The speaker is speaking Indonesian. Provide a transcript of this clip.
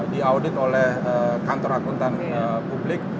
diaudit oleh kantor akuntan publik